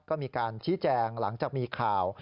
ก็มีการชี้แจงหลังจากมีข่าว